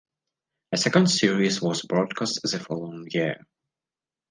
A second series was broadcast the following year.